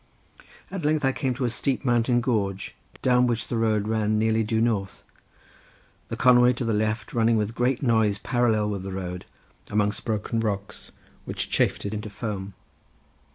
At length I came down to a steep mountain gorge down which the road ran nearly due north, the Conway to the left running with great noise parallel with the road, amongst broken rocks, which chafed it into foam.